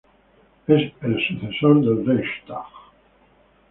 Es el sucesor del Reichstag.